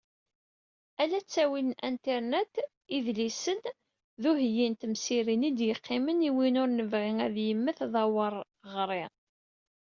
Ala ttawil n internet, idlisen d uheyyi n temsirin i d-yeqqimen i win ur nebɣi ad yemmet d awreɣri.